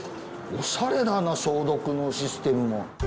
オシャレだな消毒のシステムも。